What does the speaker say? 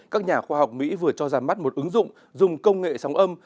các nhà khoa học mỹ vừa cho ra mắt một ứng dụng dùng công nghệ sóng âm